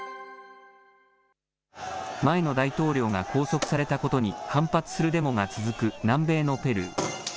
前の大統領が拘束されたことに反発するデモが続く南米のペルー。